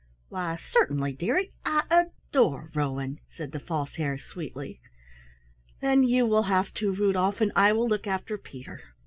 "Why certainly, dearie, I adore rowing," said the False Hare sweetly. "Then you will have to, Rudolf, and I will look after Peter.